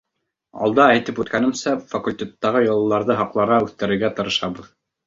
Алда әйтеп үткәнемсә, факультеттағы йолаларҙы һаҡларға, үҫтерергә тырышабыҙ.